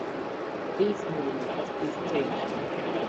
This moment is staged and filmed.